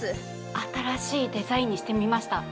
新しいデザインにしてみました。